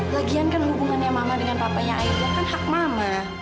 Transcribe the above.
lagian kan hubungannya mama dengan papanya air itu kan hak mama